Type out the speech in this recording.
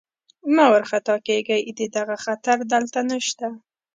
مه وارخطا کېږئ، د دغه خطر دلته نشته.